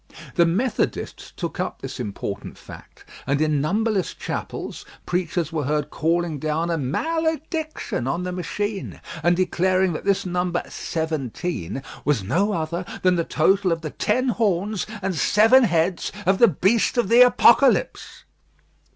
The Methodists took up this important fact, and in numberless chapels, preachers were heard calling down a malediction on the machine, and declaring that this number 17 was no other than the total of the ten horns and seven heads of the beast of the Apocalypse.